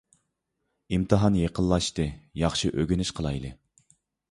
ئىمتىھان يېقىنلاشتى. ياخشى ئۆگىنىش قىلاي